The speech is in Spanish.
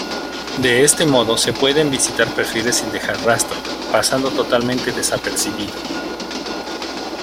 De este modo, se pueden visitar perfiles sin dejar rastro, pasando totalmente desapercibido.